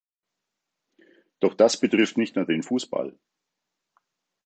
Doch das betrifft nicht nur den Fußball.